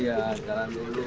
iya jalan dulu